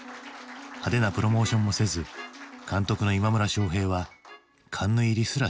派手なプロモーションもせず監督の今村昌平はカンヌ入りすらしていなかった。